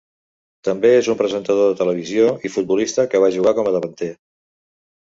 També és un presentador de televisió i futbolista que va jugar com a davanter.